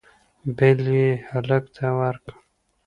بل یې هلک ته ورکړ